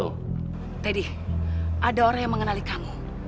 teddy ada orang yang mengenali kamu